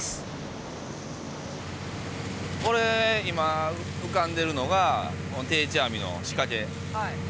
これ今浮かんでるのが定置網の仕掛け。